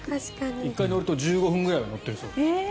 １回乗ると１５分くらいは乗ってるそうです。